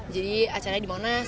jadi acaranya di monas